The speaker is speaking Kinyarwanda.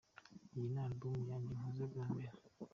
Iyi ni Album yanjye nkoze bwa mbere.